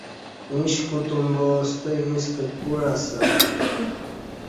ایݩش کوتوم با ستہ ایݩستہ کوع اسہ